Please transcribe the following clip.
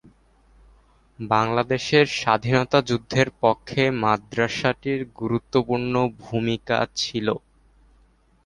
বাংলাদেশের স্বাধীনতা যুদ্ধের পক্ষে মাদ্রাসাটির গুরুত্বপূর্ণ ভূমিকা ছিল।